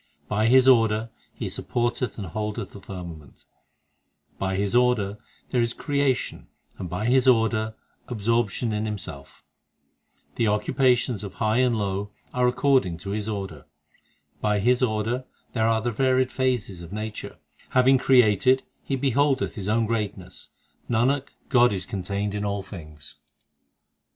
By His order He supporteth and holdeth the firma ment ; l By His order there is creation, and by His order absorp tion in Himself ; The occupations of high and low are according to His order ; By His order there are the varied phases of nature ; Having created, He beholdeth His own greatness Nanak, God is contained in all things.